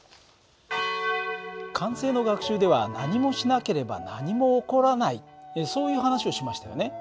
慣性の学習では何もしなければ何も起こらないそういう話をしましたよね。